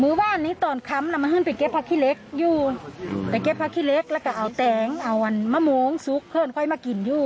เมื่อวานนี้ตอนคลัมเรามาเซ่นเก็บพักขี้เล็กแล้วก็เอาแตงซุกขึ้นมากินอยู่